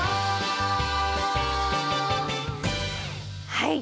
はい。